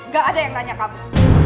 gak ada yang nanya kamu